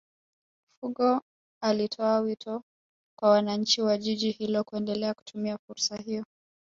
Fungo alitoa wito kwa wananchi wa Jiji hilo kuendelea kutumia fursa hiyo